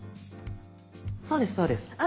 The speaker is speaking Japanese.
そうですそうです。